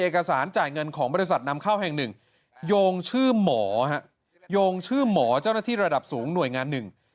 ของบริษัทนำข้าวแห่งหนึ่งโยงชื่อหมอเจ้าหน้าที่ระดับสูงหน่วยงานหนึ่ง